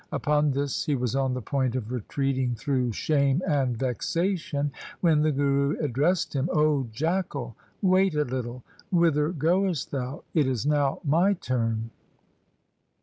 Upon this he was on the point of retreating through shame and vexation, when the Guru ad dressed him :' O jackal, wait a little. Whither goest thou ? It is now my turn.'